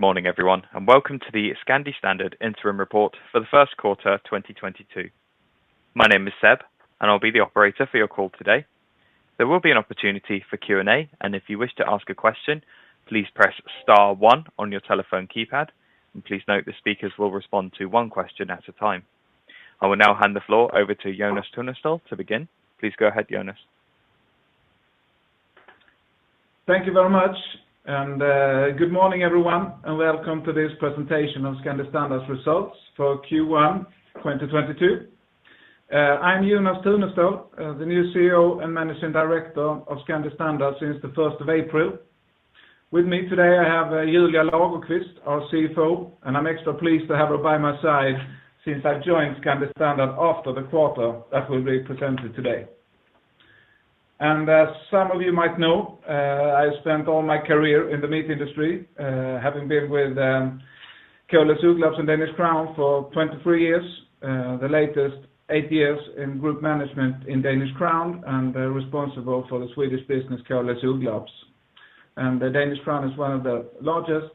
Morning everyone, and Welcome to the Scandi Standard Interim Report for the first quarter of 2022. My name is Seb, and I'll be the operator for your call today. There will be an opportunity for Q&A, and if you wish to ask a question, please press star one on your telephone keypad, and please note the speakers will respond to one question at a time. I will now hand the floor over to Jonas Tunestål to begin. Please go ahead, Jonas. Thank you very much. Good morning, everyone, and Welcome to this presentation of Scandi Standard's results for Q1 2022. I'm Jonas Tunestål, the new CEO and managing director of Scandi Standard since the first of April. With me today, I have Julia Lagerqvist, our CFO, and I'm extra pleased to have her by my side since I joined Scandi Standard after the quarter that will be presented today. As some of you might know, I spent all my career in the meat industry, having been with KLS Ugglarps and Danish Crown for 23 years, the latest eigth years in group management in Danish Crown and responsible for the Swedish business, KLS Ugglarps. The Danish Crown is one of the largest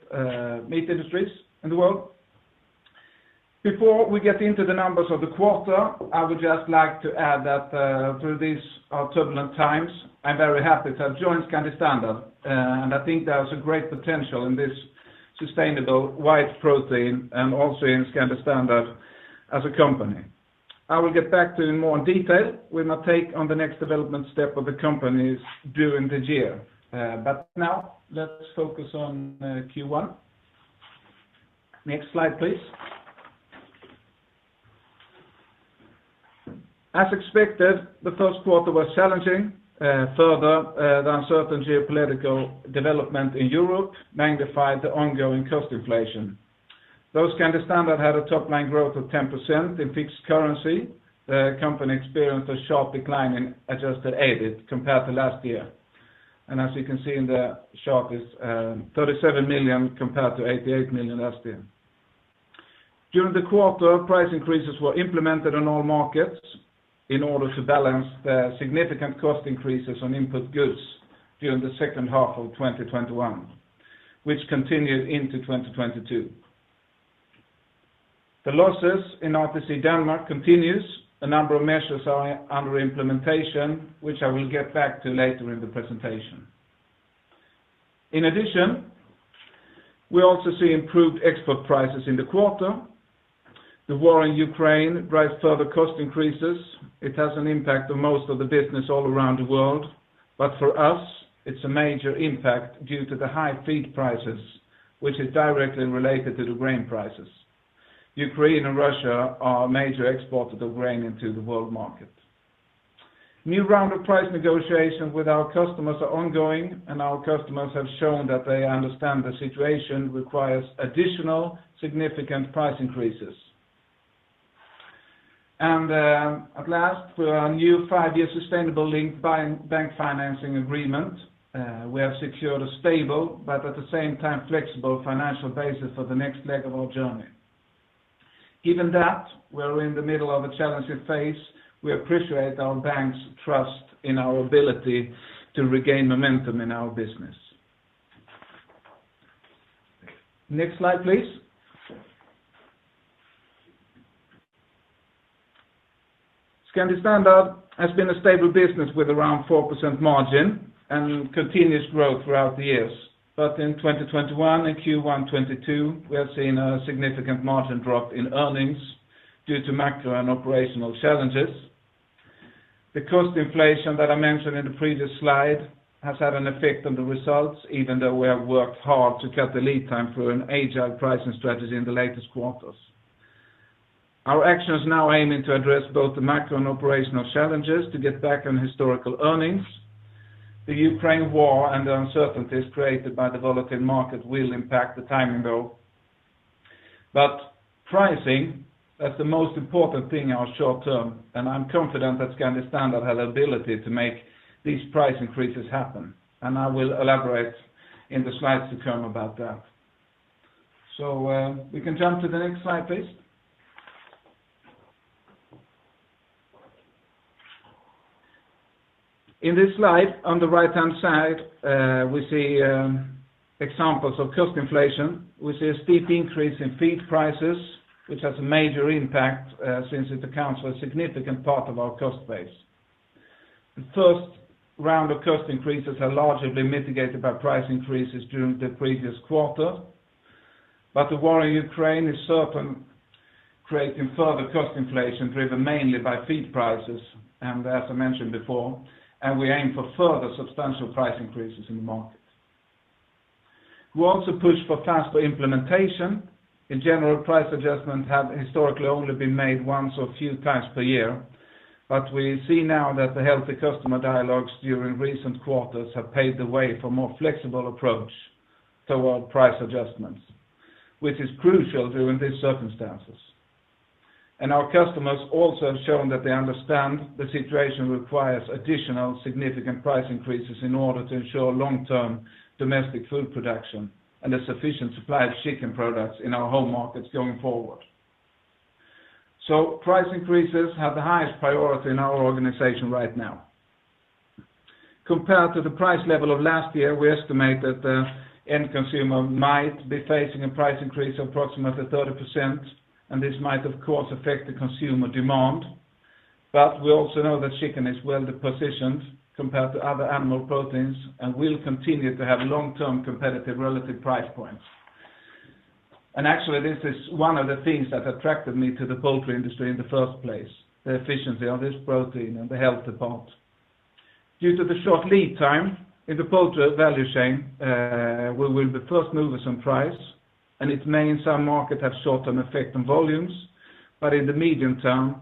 meat industries in the world. Before we get into the numbers of the quarter, I would just like to add that, through these turbulent times, I'm very happy to have joined Scandi Standard, and I think there's a great potential in this sustainable white protein and also in Scandi Standard as a company. I will get back to you in more detail with my take on the next development step of the companies during the year. Now let's focus on Q1. Next slide, please. As expected, the first quarter was challenging. Further, the uncertain geopolitical development in Europe magnified the ongoing cost inflation. Though Scandi Standard had a top line growth of 10% in fixed currency, the company experienced a sharp decline in adjusted EBIT compared to last year. As you can see in the chart, it's 37 million compared to 88 million last year. During the quarter, price increases were implemented on all markets in order to balance the significant cost increases on input goods during the second half of 2021, which continued into 2022. The losses in Ready-to-Cook Denmark continues. A number of measures are under implementation, which I will get back to later in the presentation. In addition, we also see improved export prices in the quarter. The war in Ukraine drives further cost increases. It has an impact on most of the business all around the world. For us, it's a major impact due to the high feed prices, which is directly related to the grain prices. Ukraine and Russia are major exporters of grain into the world market. New round of price negotiations with our customers are ongoing, and our customers have shown that they understand the situation requires additional significant price increases. At last, through our new five-year sustainability-linked bank financing agreement, we have secured a stable but at the same time flexible financial basis for the next leg of our journey. Given that we're in the middle of a challenging phase, we appreciate our bank's trust in our ability to regain momentum in our business. Next slide, please. Scandi Standard has been a stable business with around 4% margin and continuous growth throughout the years. In 2021 and Q1 2022, we have seen a significant margin drop in earnings due to macro and operational challenges. The cost inflation that I mentioned in the previous slide has had an effect on the results, even though we have worked hard to cut the lead time through an agile pricing strategy in the latest quarters. Our action is now aiming to address both the macro and operational challenges to get back on historical earnings. The Ukraine war and the uncertainties created by the volatile market will impact the timing, though. Pricing is the most important thing in our short term, and I'm confident that Scandi Standard has the ability to make these price increases happen. I will elaborate in the slides to come about that. We can jump to the next slide, please. In this slide, on the right-hand side, we see examples of cost inflation. We see a steep increase in feed prices, which has a major impact, since it accounts for a significant part of our cost base. The first round of cost increases are largely mitigated by price increases during the previous quarter. The war in Ukraine is certainly creating further cost inflation, driven mainly by feed prices, and as I mentioned before, and we aim for further substantial price increases in the market. We also push for faster implementation. In general, price adjustments have historically only been made once or a few times per year, but we see now that the healthy customer dialogues during recent quarters have paved the way for more flexible approach toward price adjustments, which is crucial during these circumstances. Our customers also have shown that they understand the situation requires additional significant price increases in order to ensure long-term domestic food production and a sufficient supply of chicken products in our home markets going forward. Price increases have the highest priority in our organization right now. Compared to the price level of last year, we estimate that the end consumer might be facing a price increase of approximately 30%, and this might of course affect the consumer demand. We also know that chicken is well positioned compared to other animal proteins and will continue to have long-term competitive relative price points. Actually, this is one of the things that attracted me to the poultry industry in the first place, the efficiency of this protein and the health part. Due to the short lead time in the poultry value chain, we will be first movers on price, and it may in some markets have short-term effect on volumes. In the medium term,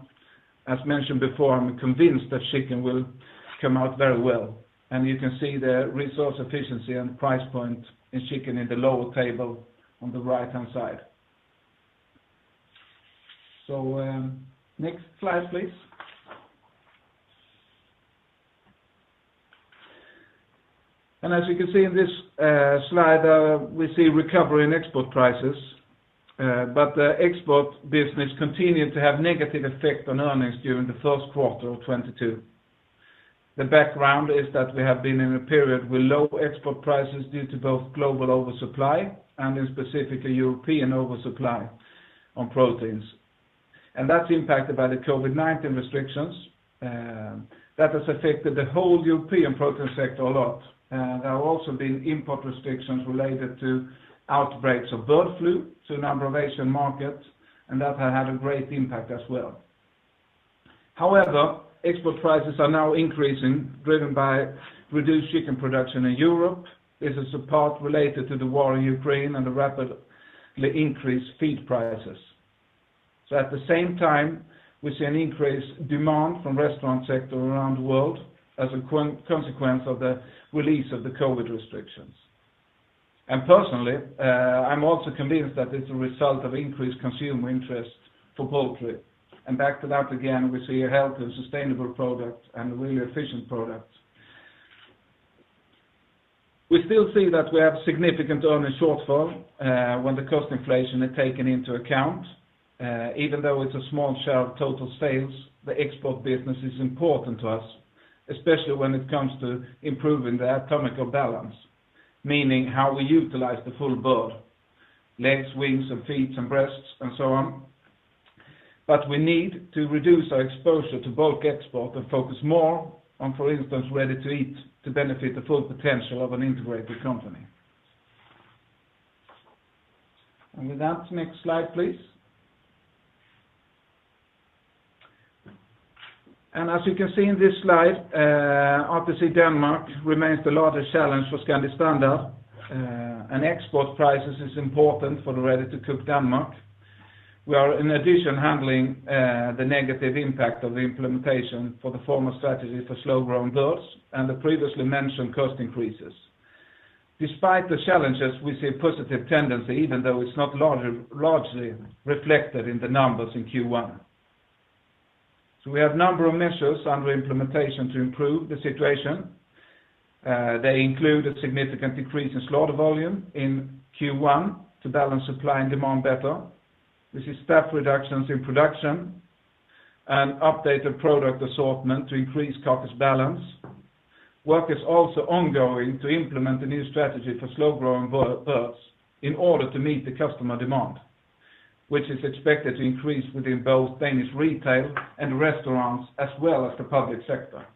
as mentioned before, I'm convinced that chicken will come out very well. You can see the resource efficiency and price point in chicken in the lower table on the right-hand side. Next slide, please. As you can see in this slide, we see recovery in export prices. The export business continued to have negative effect on earnings during the first quarter of 2022. The background is that we have been in a period with low export prices due to both global oversupply and in specific European oversupply on proteins. That's impacted by the COVID-19 restrictions that has affected the whole European protein sector a lot. There have also been import restrictions related to outbreaks of bird flu to a number of Asian markets, and that had a great impact as well. However, export prices are now increasing, driven by reduced chicken production in Europe. This is a part related to the war in Ukraine and the rapidly increased feed prices. At the same time, we see an increased demand from restaurant sector around the world as a consequence of the release of the COVID restrictions. Personally, I'm also convinced that it's a result of increased consumer interest for poultry. Back to that again, we see a healthy and sustainable product and really efficient product. We still see that we have significant earnings shortfall, when the cost inflation is taken into account. Even though it's a small share of total sales, the export business is important to us, especially when it comes to improving the anatomical balance, meaning how we utilize the full bird, legs, wings and feet and breasts and so on. We need to reduce our exposure to bulk export and focus more on, for instance, Ready-to-Eat to benefit the full potential of an integrated company. With that, next slide, please. As you can see in this slide, RTC Denmark remains the largest challenge for Scandi Standard. Export prices is important for the Ready-to-Cook Denmark. We are in addition handling the negative impact of the implementation for the former strategy for slow grown birds and the previously mentioned cost increases. Despite the challenges, we see a positive tendency, even though it's not largely reflected in the numbers in Q1. We have number of measures under implementation to improve the situation. They include a significant decrease in slaughter volume in Q1 to balance supply and demand better. This is staff reductions in production and updated product assortment to increase carcass balance. Work is also ongoing to implement a new strategy for slow growing birds in order to meet the customer demand, which is expected to increase within both Danish retail and restaurants as well as the public sector.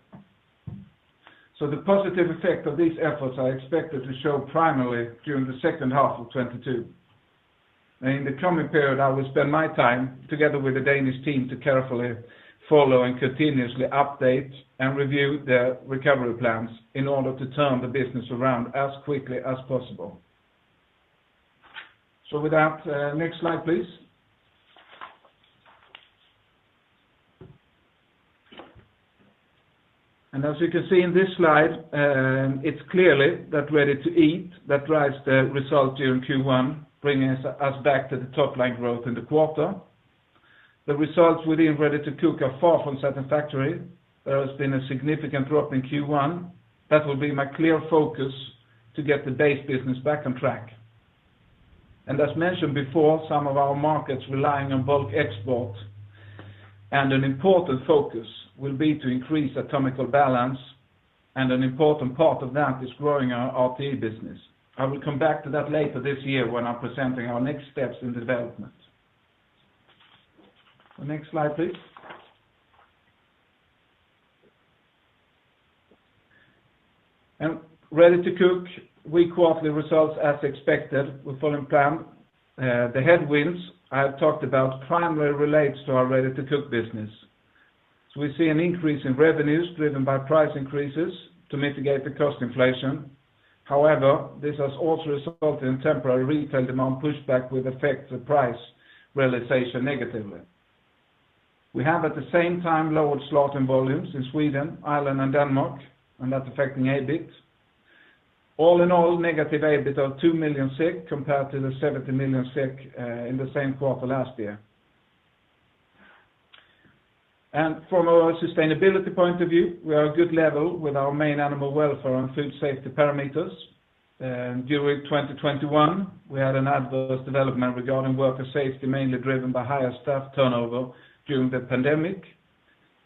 The positive effect of these efforts are expected to show primarily during the second half of 2022. In the coming period, I will spend my time together with the Danish team to carefully follow and continuously update and review their recovery plans in order to turn the business around as quickly as possible. With that, next slide, please. As you can see in this slide, it's clear that Ready-to-Eat that drives the result during Q1, bringing us back to the top line growth in the quarter. The results within Ready-to-Cook are far from satisfactory. There has been a significant drop in Q1. That will be my clear focus to get the base business back on track. As mentioned before, some of our markets relying on bulk export, and an important focus will be to increase anatomical balance, and an important part of that is growing our RTE business. I will come back to that later this year when I'm presenting our next steps in development. The next slide, please. Ready-to-Cook, weak quarterly results as expected with falling profit. The headwinds I have talked about primarily relates to our Ready-to-Cook business. We see an increase in revenues driven by price increases to mitigate the cost inflation. However, this has also resulted in temporary retail demand pushback will affect the price realization negatively. We have at the same time lowered slaughter volumes in Sweden, Ireland, and Denmark, and that's affecting EBIT. All in all, negative EBIT of 2 million compared to 70 million in the same quarter last year. From a sustainability point of view, we are at a good level with our main animal welfare and food safety parameters. During 2021, we had an adverse development regarding worker safety, mainly driven by higher staff turnover during the pandemic.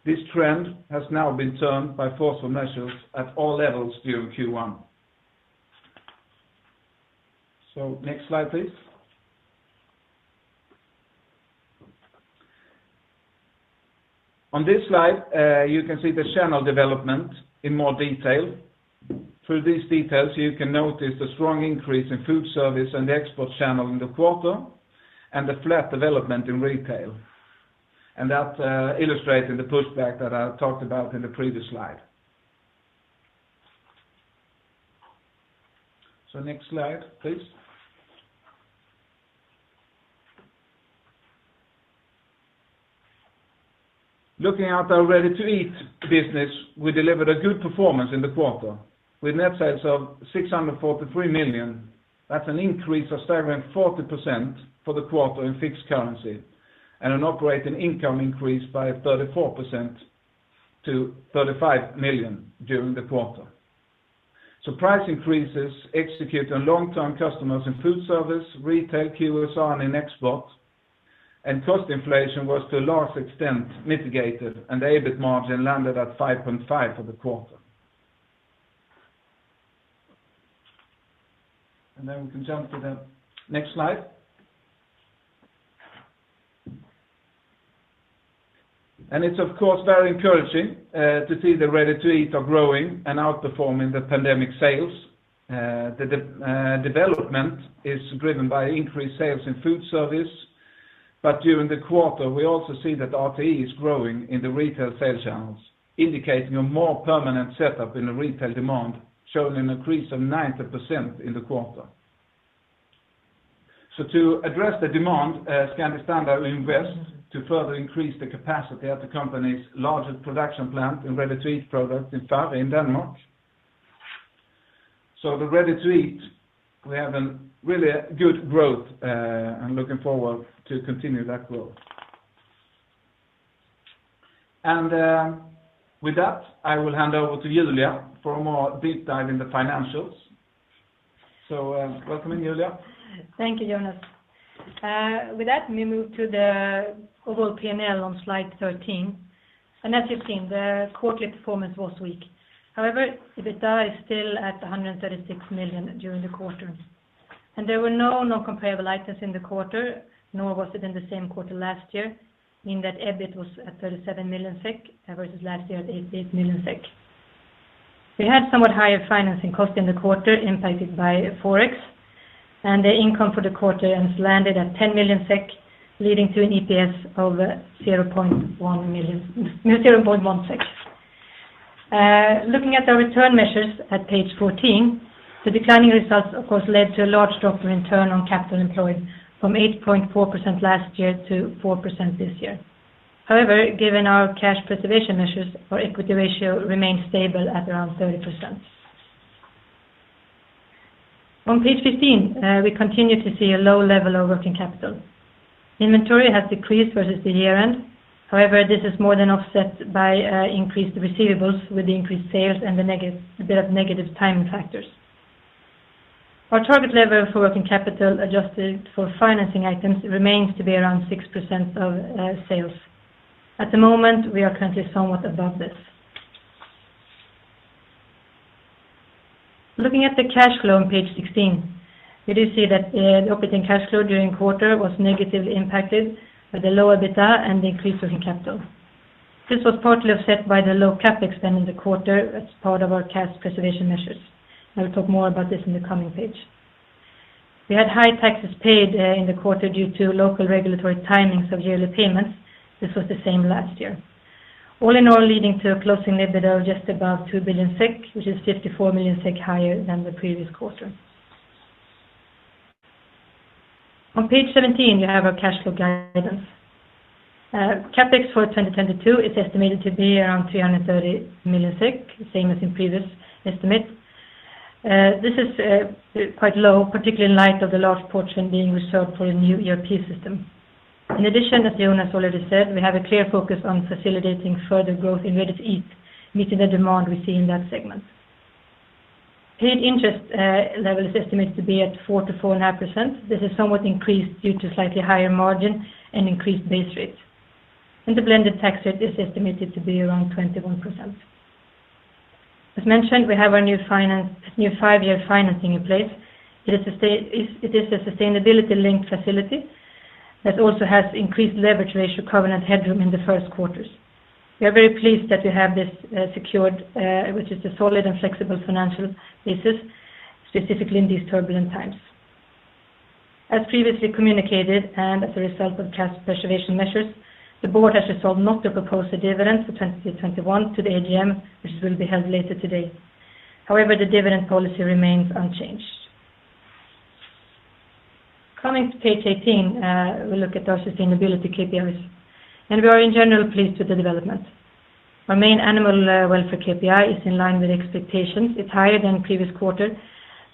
This trend has now been turned by forceful measures at all levels during Q1. Next slide, please. On this slide, you can see the channel development in more detail. Through these details, you can notice the strong increase in food service and the export channel in the quarter, and the flat development in retail. That illustrates the pushback that I talked about in the previous slide. Next slide, please. Looking at our Ready-to-Eat business, we delivered a good performance in the quarter with net sales of 643 million. That's an increase of 7.40% for the quarter in fixed currency and an operating income increase by 34% to 35 million during the quarter. Price increases executed on long-term customers in food service, retail, QSR, and in export, and cost inflation was to a large extent mitigated and the EBIT margin landed at 5.5% for the quarter. We can jump to the next slide. It's of course, very encouraging, to see the Ready-to-Eat are growing and outperforming the pandemic sales. The development is driven by increased sales in food service. During the quarter, we also see that RTE is growing in the retail sales channels, indicating a more permanent setup in the retail demand, showing an increase of 90% in the quarter. To address the demand, Scandi Standard will invest to further increase the capacity at the company's largest production plant in Ready-to-Eat products in Farre in Denmark. The Ready-to-Eat, we have a really good growth, and looking forward to continue that growth. With that, I will hand over to Julia for a more deep dive in the financials. Welcome in, Julia. Thank you, Jonas. With that, we move to the overall P&L on slide 13. As you've seen, the quarterly performance was weak. However, EBITDA is still at 136 million during the quarter. There were no non-comparable items in the quarter, nor was it in the same quarter last year, meaning that EBIT was at 37 million SEK, versus last year at 8 million SEK. We had somewhat higher financing cost in the quarter impacted by Forex, and the income for the quarter has landed at 10 million SEK, leading to an EPS of 0.1 million, 0.1 SEK. Looking at the return measures at page 14, the declining results, of course, led to a large drop in return on capital employed from 8.4% last year to 4% this year. However, given our cash preservation measures, our equity ratio remains stable at around 30%. On page 15, we continue to see a low level of working capital. Inventory has decreased versus the year-end. However, this is more than offset by increased receivables with the increased sales and the negative timing factors. Our target level for working capital adjusted for financing items remains to be around 6% of sales. At the moment, we are currently somewhat above this. Looking at the cash flow on page 16, we do see that operating cash flow during quarter was negatively impacted by the low EBITDA and the increased working capital. This was partly offset by the low CapEx spend in the quarter as part of our cash preservation measures. I will talk more about this in the coming page. We had high taxes paid in the quarter due to local regulatory timings of yearly payments. This was the same last year. All in all, leading to a closing EBITDA of just above 2 billion SEK, which is 54 million SEK higher than the previous quarter. On page 17, you have our cash flow guidance. CapEx for 2022 is estimated to be around 330 million, same as in previous estimate. This is quite low, particularly in light of the large portion being reserved for the new ERP system. In addition, as Jonas already said, we have a clear focus on facilitating further growth in Ready-to-Eat, meeting the demand we see in that segment. Paid interest level is estimated to be at 4%-4.5%. This is somewhat increased due to slightly higher margin and increased base rates. The blended tax rate is estimated to be around 21%. As mentioned, we have our new financing, new five-year financing in place. It is a sustainability-linked facility that also has increased leverage ratio covenant headroom in the first quarters. We are very pleased that we have this secured, which is a solid and flexible financial basis, specifically in these turbulent times. As previously communicated and as a result of cash preservation measures, the board has resolved not to propose a dividend for 2021 to the AGM, which will be held later today. However, the dividend policy remains unchanged. Coming to page 18, we look at our sustainability KPIs, and we are in general pleased with the development. Our main animal welfare KPI is in line with expectations. It's higher than previous quarter,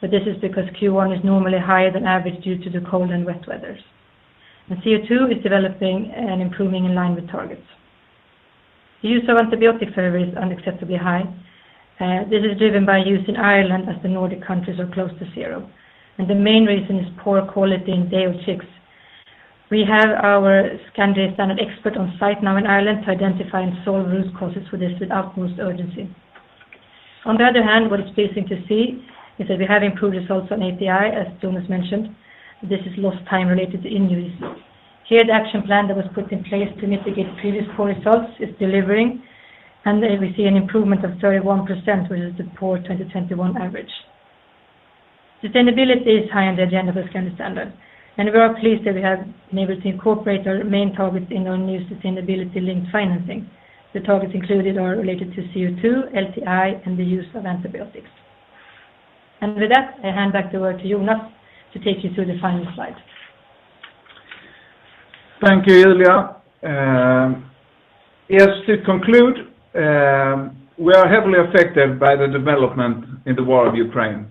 but this is because Q1 is normally higher than average due to the cold and wet weather. CO2 is developing and improving in line with targets. Antibiotic use is unacceptably high. This is driven by use in Ireland as the Nordic countries are close to zero. The main reason is poor quality in day-old chicks. We have our Scandi Standard expert on site now in Ireland to identify and solve root causes for this with utmost urgency. On the other hand, what is pleasing to see is that we have improved results on LTI, as Jonas mentioned. This is lost time related to injuries. Here the action plan that was put in place to mitigate previous poor results is delivering, and we see an improvement of 31%, which is the pre-2021 average. Sustainability is high on the agenda for Scandi Standard, and we are pleased that we have been able to incorporate our main targets in our new sustainability-linked financing. The targets included are related to CO2, LTI, and the use of antibiotics. With that, I hand back over to Jonas to take you through the final slide. Thank you, Julia. Yes, to conclude, we are heavily affected by the development in the war in Ukraine.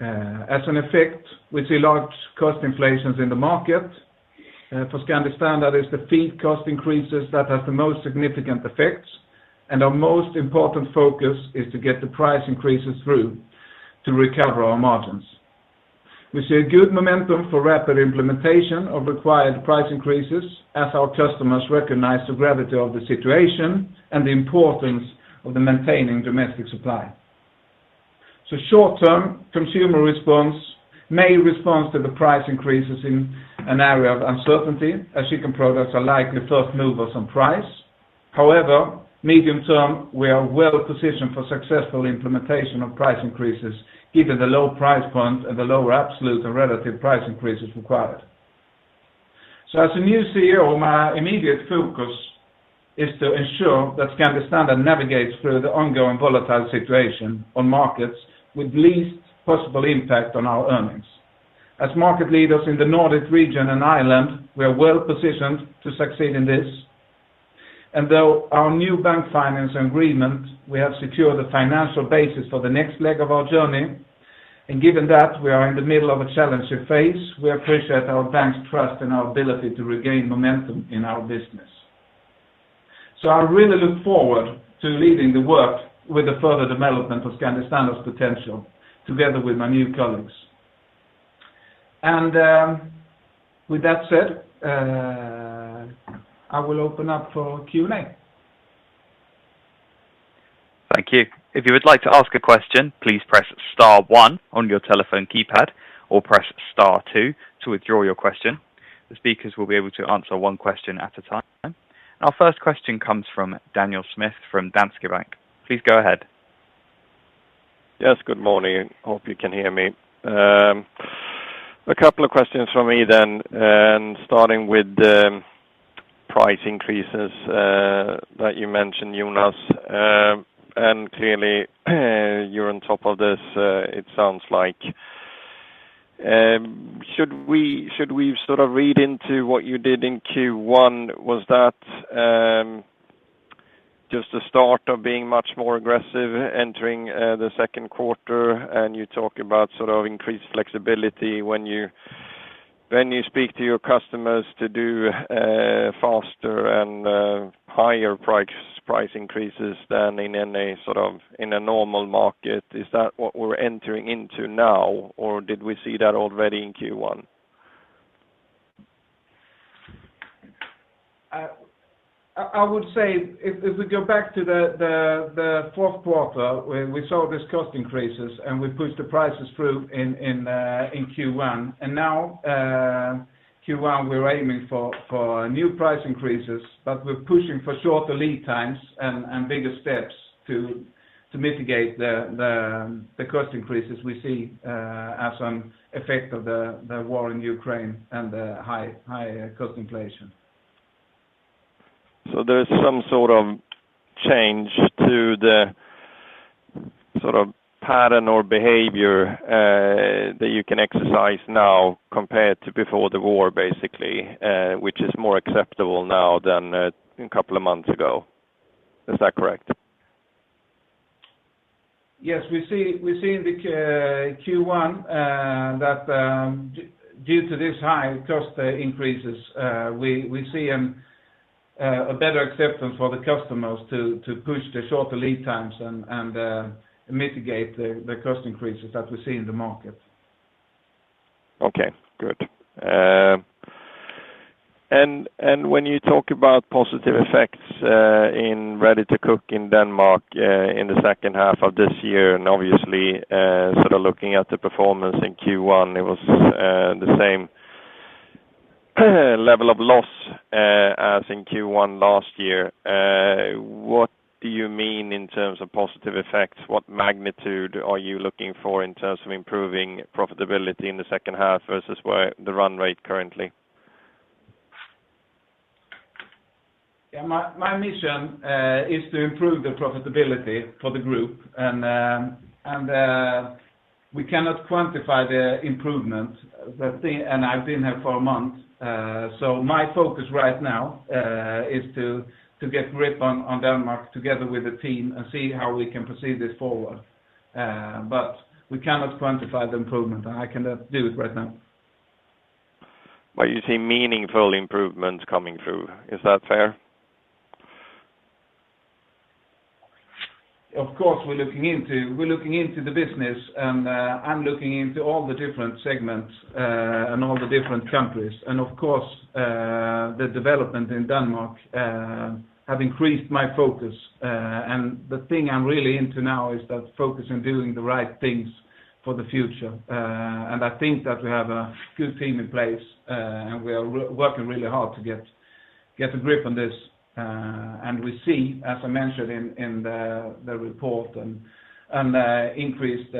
As an effect, we see large cost inflation in the market. For Scandi Standard, it's the feed cost increases that have the most significant effects, and our most important focus is to get the price increases through to recover our margins. We see a good momentum for rapid implementation of required price increases as our customers recognize the gravity of the situation and the importance of maintaining domestic supply. Short term, consumers may respond to the price increases in an era of uncertainty as chicken products are likely first movers on price. However, medium term, we are well positioned for successful implementation of price increases given the low price point and the lower absolute and relative price increases required. As a new CEO, my immediate focus is to ensure that Scandi Standard navigates through the ongoing volatile situation on markets with least possible impact on our earnings. As market leaders in the Nordic region and Ireland, we are well positioned to succeed in this. Though our new bank finance agreement, we have secured the financial basis for the next leg of our journey. Given that we are in the middle of a challenging phase, we appreciate our bank's trust and our ability to regain momentum in our business. I really look forward to leading the work with the further development of Scandi Standard's potential together with my new colleagues. With that said, I will open up for Q&A. Thank you. If you would like to ask a question, please press star one on your telephone keypad or press star two to withdraw your question. The speakers will be able to answer one question at a time. Our first question comes from Daniel Schmidt from Danske Bank. Please go ahead. Yes, good morning. Hope you can hear me. A couple of questions from me then, starting with the price increases that you mentioned, Jonas. Clearly, you're on top of this, it sounds like. Should we sort of read into what you did in Q1? Was that just the start of being much more aggressive entering the second quarter? You talk about sort of increased flexibility when you speak to your customers to do faster and higher price increases than in a sort of normal market. Is that what we're entering into now? Or did we see that already in Q1? I would say if we go back to the fourth quarter, we saw these cost increases, and we pushed the prices through in Q1. Now, Q1, we're aiming for new price increases, but we're pushing for shorter lead times and bigger steps to mitigate the cost increases we see as an effect of the war in Ukraine and the high cost inflation. There's some sort of change to the sort of pattern or behavior that you can exercise now compared to before the war, basically, which is more acceptable now than a couple of months ago. Is that correct? Yes. We see in the Q1 that due to this high cost increases, we see a better acceptance for the customers to push the shorter lead times and mitigate the cost increases that we see in the market. Okay, good. When you talk about positive effects in Ready-to-Cook Denmark in the second half of this year, and obviously sort of looking at the performance in Q1, it was the same level of loss as in Q1 last year. What do you mean in terms of positive effects? What magnitude are you looking for in terms of improving profitability in the second half versus where the run rate currently? Yeah, my mission is to improve the profitability for the group. We cannot quantify the improvements, and I've been here for a month. My focus right now is to get grip on Denmark together with the team and see how we can proceed this forward. We cannot quantify the improvement, and I cannot do it right now. You see meaningful improvements coming through. Is that fair? Of course, we're looking into the business, and I'm looking into all the different segments, and all the different countries. Of course, the development in Denmark have increased my focus. The thing I'm really into now is that focus on doing the right things for the future. I think that we have a good team in place, and we are re-working really hard to get a grip on this. We see, as I mentioned in the report, an increased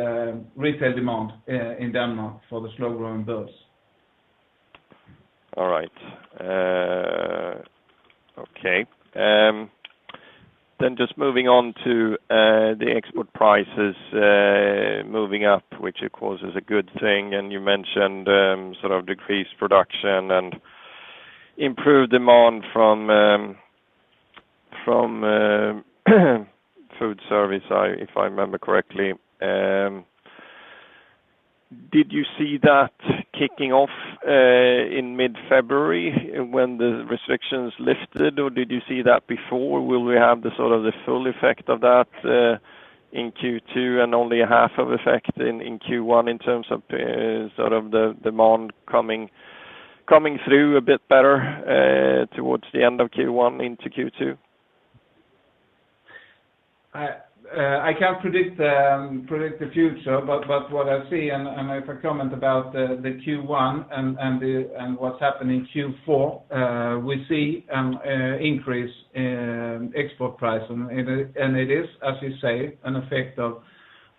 retail demand in Denmark for the slow-growing birds. Just moving on to the export prices moving up, which of course is a good thing, and you mentioned sort of decreased production and improved demand from food service if I remember correctly. Did you see that kicking off in mid-February when the restrictions lifted, or did you see that before? Will we have sort of the full effect of that in Q2 and only a half of effect in Q1 in terms of sort of the demand coming through a bit better towards the end of Q1 into Q2? I can't predict the future, but what I see and if I comment about the Q1 and what's happened in Q4, we see increase in export price. It is, as you say, an effect of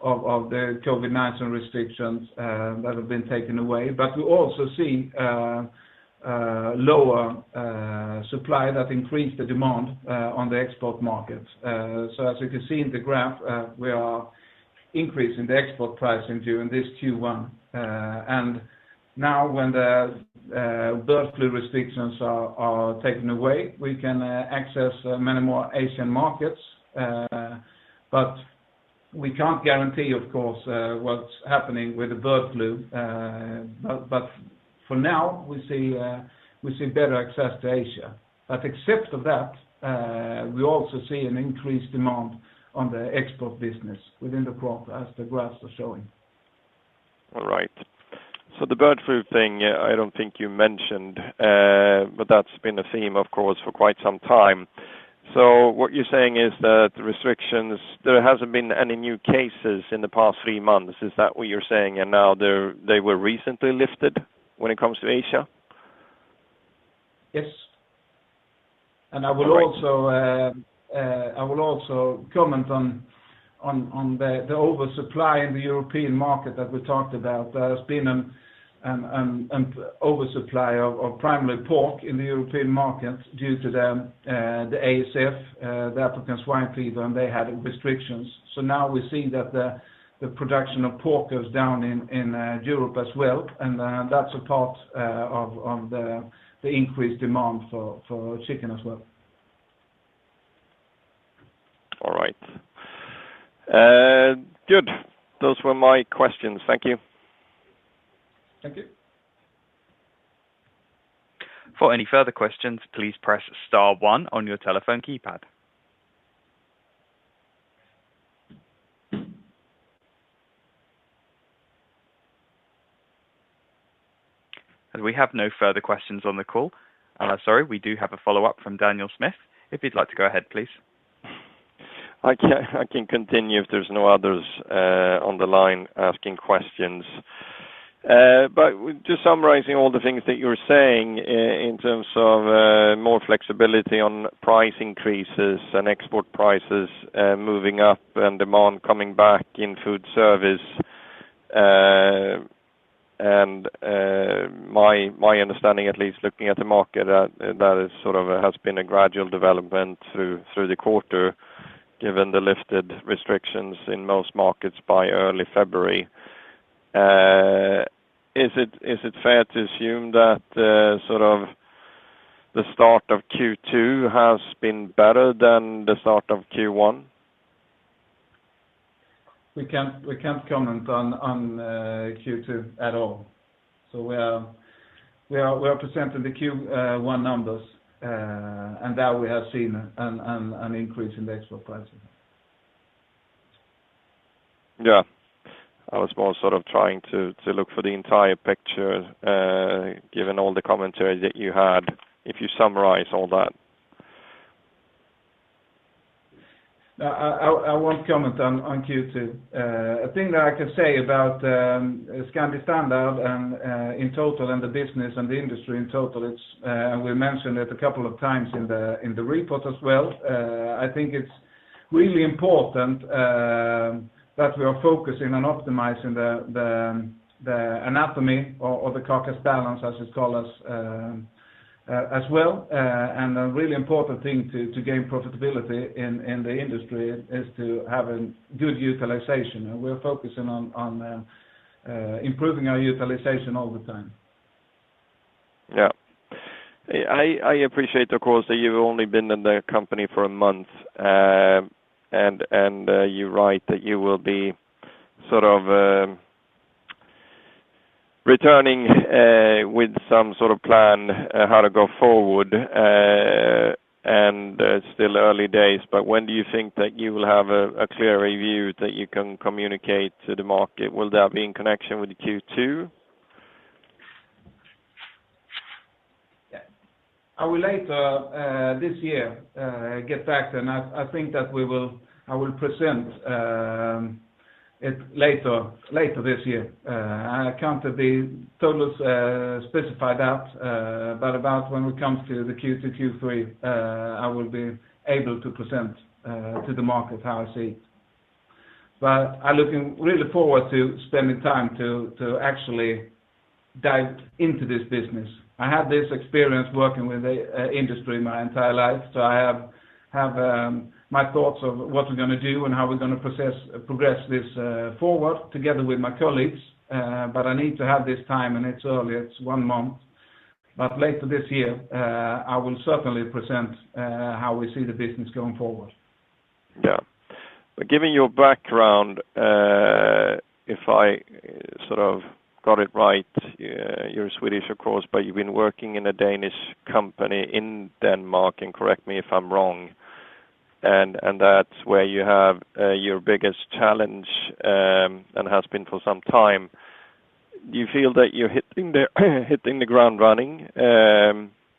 the COVID-19 restrictions that have been taken away. We also see lower supply that increased the demand on the export market. As you can see in the graph, we are increasing the export pricing during this Q1. Now when the bird flu restrictions are taken away, we can access many more Asian markets. We can't guarantee, of course, what's happening with the bird flu. For now, we see better access to Asia. Except for that, we also see an increased demand on the export business within the group as the graphs are showing. All right. The bird flu thing, I don't think you mentioned, but that's been a theme of course for quite some time. What you're saying is that the restrictions, there hasn't been any new cases in the past three months, is that what you're saying? Now they were recently lifted when it comes to Asia? Yes. All right. I will also comment on the oversupply in the European market that we talked about. There has been an oversupply of primarily pork in the European market due to the ASF, the African Swine Fever, and they had restrictions. Now we're seeing that the production of pork goes down in Europe as well, and that's a part of the increased demand for chicken as well. All right. Good. Those were my questions. Thank you. Thank you. For any further questions, please press star one on your telephone keypad. We have no further questions on the call. Sorry, we do have a follow-up from Daniel Schmidt. If you'd like to go ahead, please. I can continue if there's no others on the line asking questions. Just summarizing all the things that you're saying in terms of more flexibility on price increases and export prices moving up and demand coming back in food service. My understanding, at least looking at the market, that that is sort of a has been a gradual development through the quarter, given the lifted restrictions in most markets by early February. Is it fair to assume that sort of the start of Q2 has been better than the start of Q1? We can't comment on Q2 at all. We are presenting the Q1 numbers, and there we have seen an increase in the export pricing. Yeah. I was more sort of trying to look for the entire picture, given all the commentary that you had, if you summarize all that? I won't comment on Q2. A thing that I can say about Scandi Standard in total, and the business and the industry in total is we mentioned it a couple of times in the report as well. I think it's really important that we are focusing on optimizing the anatomy or the carcass balance, as you call it, as well. A really important thing to gain profitability in the industry is to have a good utilization. We're focusing on improving our utilization all the time. Yeah. I appreciate, of course, that you've only been in the company for a month, and you're right that you will be sort of returning with some sort of plan how to go forward, and it's still early days. When do you think that you will have a clear review that you can communicate to the market? Will that be in connection with Q2? Yeah. I will later this year get back. I think that I will present it later this year. I can't be totally specific about that, but about when we come to the Q2, Q3, I will be able to present to the market how I see it. I'm looking really forward to spending time to actually dive into this business. I have this experience working with the industry my entire life, so I have my thoughts of what we're gonna do and how we're gonna progress this forward together with my colleagues. I need to have this time, and it's early, it's one month. Later this year, I will certainly present how we see the business going forward. Yeah. Given your background, if I sort of got it right, you're Swedish of course, but you've been working in a Danish company in Denmark, and correct me if I'm wrong, and that's where you have your biggest challenge, and has been for some time. Do you feel that you're hitting the ground running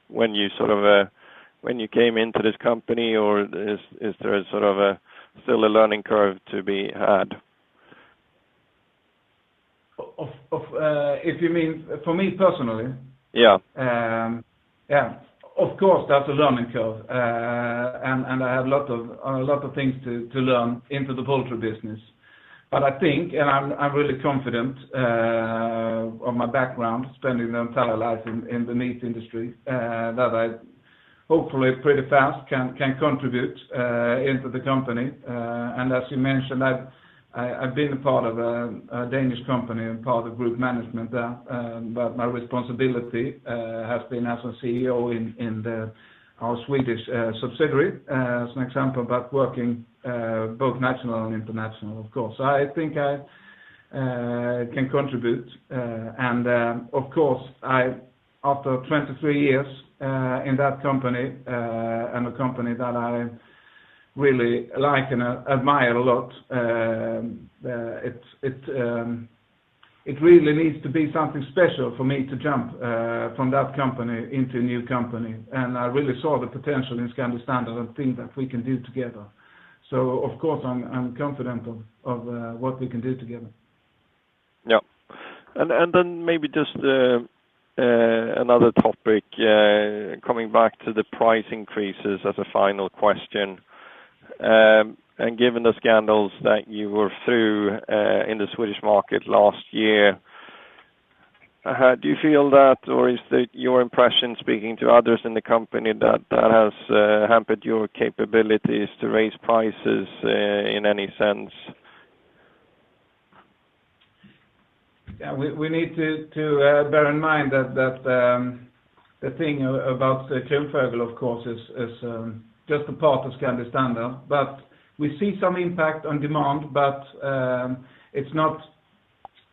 when you came into this company, or is there sort of still a learning curve to be had? If you mean for me personally? Yeah. Yeah. Of course, there's a learning curve. I have a lot of things to learn into the poultry business. I think, and I'm really confident on my background, spending my entire life in the meat industry, that I hopefully pretty fast can contribute into the company. As you mentioned, I've been a part of a Danish company and part of group management there, but my responsibility has been as a CEO in our Swedish subsidiary, as an example, but working both national and international, of course. I think I can contribute, and of course, after 23 years in that company, and a company that I really like and admire a lot, it really needs to be something special for me to jump from that company into a new company. I really saw the potential in Scandi Standard and things that we can do together. Of course, I'm confident of what we can do together. Yeah. Then maybe just another topic coming back to the price increases as a final question. Given the scandals that you were through in the Swedish market last year, do you feel that, or is it your impression speaking to others in the company that has hampered your capabilities to raise prices in any sense? Yeah. We need to bear in mind that the thing about Kronfågel, of course, is just a part of Scandi Standard. We see some impact on demand, but it's not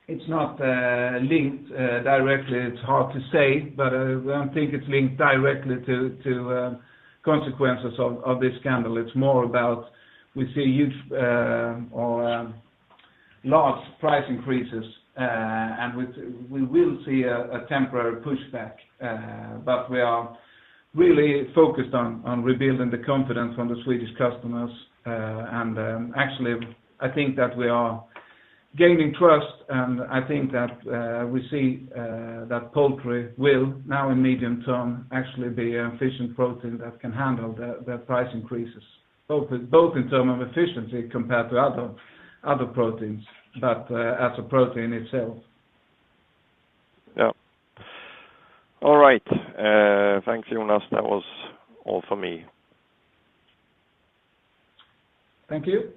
linked directly. It's hard to say, but we don't think it's linked directly to consequences of this scandal. It's more about we see huge or large price increases, and we will see a temporary pushback. We are really focused on rebuilding the confidence from the Swedish customers. Actually, I think that we are gaining trust, and I think that we see that poultry will now in medium term actually be an efficient protein that can handle the price increases, both in terms of efficiency compared to other proteins, but as a protein itself. Yeah. All right. Thanks, Jonas. That was all for me. Thank you.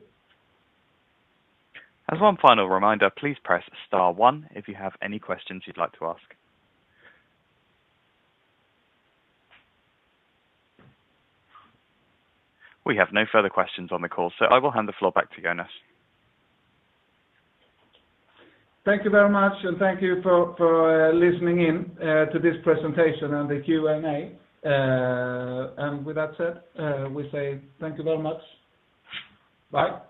As one final reminder, please press star one if you have any questions you'd like to ask. We have no further questions on the call, so I will hand the floor back to Jonas. Thank you very much, and thank you for listening in to this presentation and the Q&A. With that said, we say thank you very much. Bye.